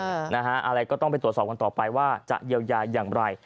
เพราะฉะนั้นอะไรก็ต้องไปตรวจสอบวันต่อไปว่าจะเยียวยาอย่างไร